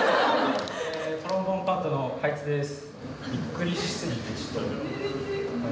トロンボーンパートの海津です！